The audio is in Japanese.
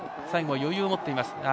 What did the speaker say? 最後は余裕を持っています。